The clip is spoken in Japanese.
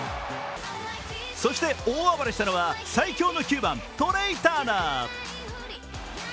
そして、大暴れしたのは最強の９番トレイ・ターナー。